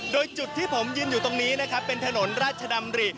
โดยจุดที่ผมยืนอยู่ตรงนี้นะครับเป็นถนนราชดำริ